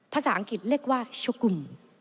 ภาษาอังกฤษเรียกว่าชกุม